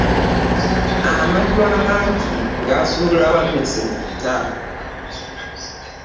Amaddu amangi gaasuula wammese mu kita.